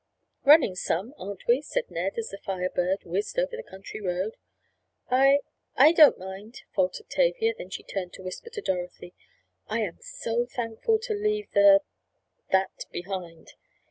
"Running some, aren't we?" said Ned, as the Fire Bird whizzed over the country road. "I—I don't mind it," faltered Tavia. Then she turned to whisper to Dorothy. "I am so thankful to leave the—that behind!"